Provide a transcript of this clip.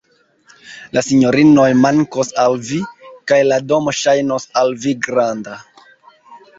La sinjorinoj mankos al vi, kaj la domo ŝajnos al vi granda.